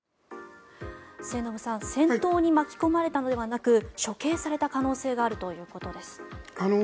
末延さん戦闘に巻き込まれたのではなく処刑された可能性があるということです。